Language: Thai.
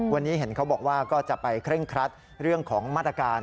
วันนี้เห็นเขาบอกว่าก็จะไปเคร่งครัดเรื่องของมาตรการ